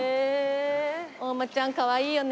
お馬ちゃんかわいいよね。